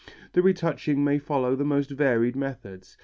The retouching may follow the most varied methods.